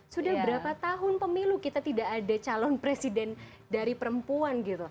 sudah berapa tahun pemilu kita tidak ada calon presiden dari perempuan gitu